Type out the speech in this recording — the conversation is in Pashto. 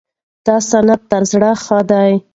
دا سند تر زاړه ښه دی.